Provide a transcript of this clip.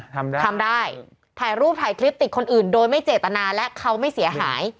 ทำได้ทำได้ถ่ายรูปถ่ายคลิปติดคนอื่นโดยไม่เจตนาและเขาไม่เสียหาย